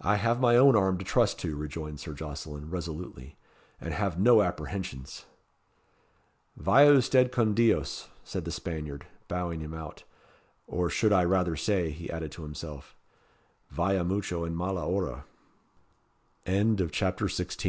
"I have my own arm to trust to," rejoined Sir Jocelyn, resolutely, "and have no apprehensions." "Vaya usted con dios!" said the Spaniard, bowing him out; "or I should rather say," he added to himself, "Vaya mucho en mala hora!" CHAPTER XVII.